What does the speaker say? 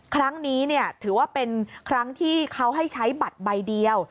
ครั้งนี้ถือว่าเป็นครั้งที่เขาให้ใช้บัตรใบเดียว